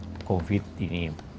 masalah covid sembilan belas ini